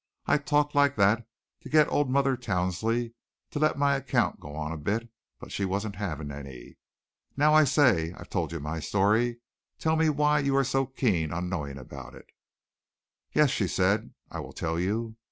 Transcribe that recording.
I talked like that to get old mother Towsley to let my account go on a bit, but she wasn't having any. Now, I say, I've told you my story. Tell me why you are so keen on knowing about it." "Yes," she said, "I will tell you.